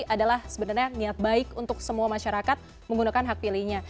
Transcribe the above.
adalah sebenarnya niat baik untuk semua masyarakat menggunakan hak pilihnya